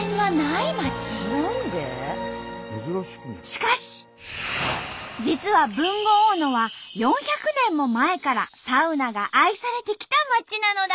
しかし実は豊後大野は４００年も前からサウナが愛されてきた町なのだ！